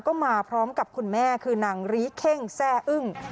ก็มาพร้อมกับคุณแม่คือนางรีเข้งแซ่อึ้ง